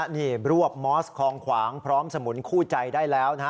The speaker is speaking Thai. นี่รวบมอสคลองขวางพร้อมสมุนคู่ใจได้แล้วนะฮะ